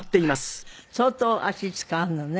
相当足使うのね。